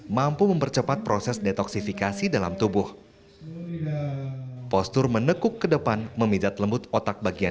mampu mempercepat proses detoksifikasi dalam tubuh postur menekuk ke depan memijat lembut otak bagian